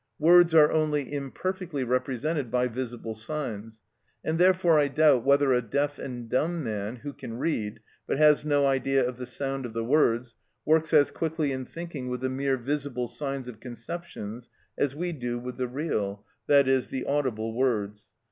Words are only imperfectly represented by visible signs; and therefore I doubt whether a deaf and dumb man, who can read, but has no idea of the sound of the words, works as quickly in thinking with the mere visible signs of conceptions as we do with the real, i.e., the audible words.